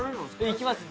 行きます。